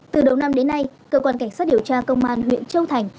từ đầu năm đến nay cơ quan cảnh sát điều tra công an huyện châu thành